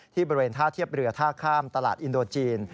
บริเวณท่าเทียบเรือท่าข้ามตลาดอินโดจีน